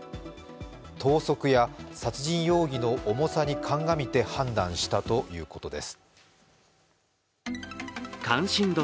党則や殺人容疑の重さに鑑みて判断したということです。